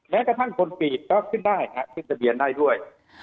แม้กระทั่งคนปีดก็ขึ้นได้ขึ้นทะเบียนได้ด้วย